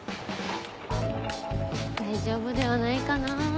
大丈夫ではないかなぁ。